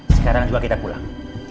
sekarang juga kita pulang